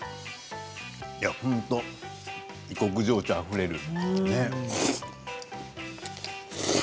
本当、異国情緒あふれる。